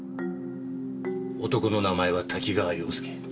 男の名前は多岐川洋介。